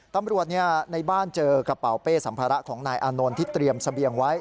ตำรวจในบ้านเจอกระเป๋าเป้สัมภาระของนายอานนท์ที่เตรียมเสบียงไว้